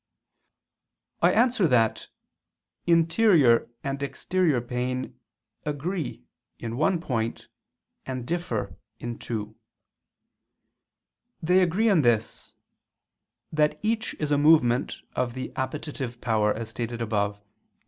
I answer that, Interior and exterior pain agree in one point and differ in two. They agree in this, that each is a movement of the appetitive power, as stated above (A.